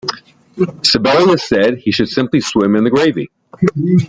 Sibelius said that he should simply swim in the gravy.